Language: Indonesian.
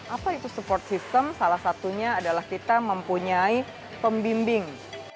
apa itu support system salah satunya adalah kita mempunyai pembimbing